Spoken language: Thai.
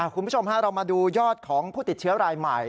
คุณผู้ชมเรามาดูยอดของผู้ติดเชื้อรายใหม่